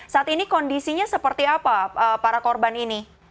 saat ini kondisinya seperti apa para korban ini